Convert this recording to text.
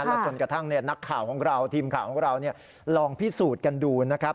แล้วจนกระทั่งนักข่าวของเราทีมข่าวของเราลองพิสูจน์กันดูนะครับ